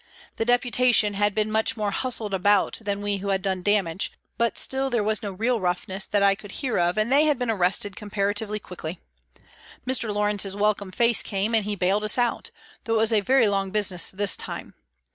The Deputation had been much more hustled about than we who had done damage, but still, there was no real roughness that I could hear of, and they had been arrested comparatively quickly. Mr. Lawrence's welcome face came and he bailed us out, though it was a long business this time.